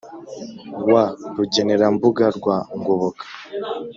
wa rugenerambuga rwa ngoboka